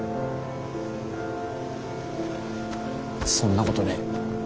そんなことねぇ。